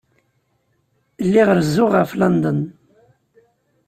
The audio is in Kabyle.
Lliɣ rezzuɣ ɣef London.